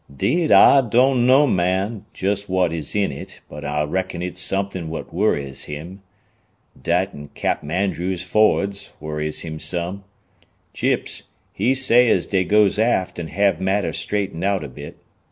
"'Deed, I doan know, man, jest what is in it, but I reckon it's something what worries him. Dat an' Cap'n Andrews forrads worries him some. Chips, he say as dey goes aft an' have matters straightened out a bit.